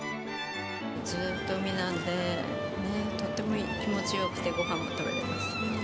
ずーっと海なんで、ねぇ、とっても気持ちよくて、ごはんも食べれます。